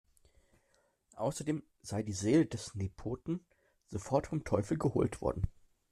Außerdem sei die Seele des Nepoten sofort vom Teufel geholt worden.